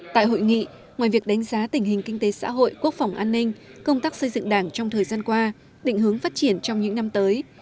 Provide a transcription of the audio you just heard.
tại hội nghị ngoài việc đánh giá tình hình kinh tế xã hội quốc phòng an ninh công tác xây dựng đảng trong thời gian qua định hướng phát triển trong những năm tới